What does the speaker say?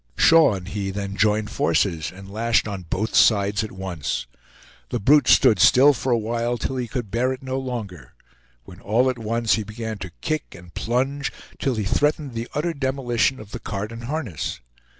Shaw and he then joined forces, and lashed on both sides at once. The brute stood still for a while till he could bear it no longer, when all at once he began to kick and plunge till he threatened the utter demolition of the cart and harness.